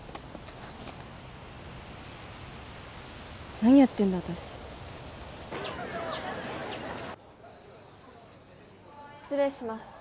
何やってんだ私失礼します